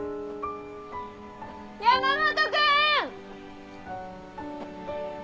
山本君！